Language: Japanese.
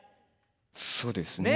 そうですね。